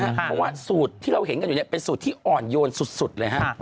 เพราะว่าสูตรที่เราเห็นกันอยู่เป็นสูตรที่อ่อนโยนสุดเลยฮะ